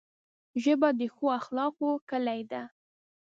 ژبه د ښو اخلاقو کلۍ ده